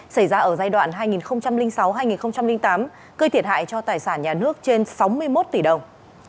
xảy ra ở giai đoạn hai nghìn sáu hai nghìn tám gây thiệt hại cho tài sản nhà nước trên sáu mươi một tỷ đồng